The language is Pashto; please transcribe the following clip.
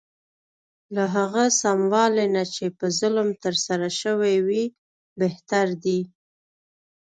له هغه سموالي نه چې په ظلم ترسره شوی وي بهتر دی.